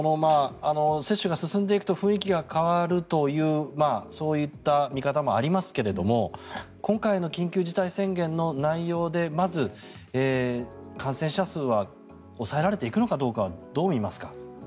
接種が進んでいくと雰囲気が変わるというそういった見方もありますが今回の緊急事態宣言の内容でまず、感染者数は抑えられていくのかどう見ますか？